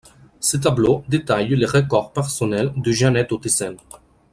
Ces tableaux détaillent les records personnels de Jeanette Ottesen.